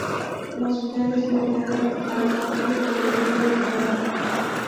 La ciudad es bordeada al norte por el río Dong.